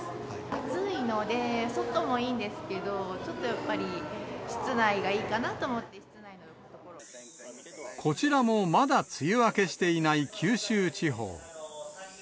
暑いので、外もいいんですけど、ちょっとやっぱり、こちらもまだ梅雨明けしていない九州地方。